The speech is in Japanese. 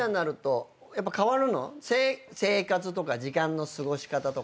生活とか時間の過ごし方とか。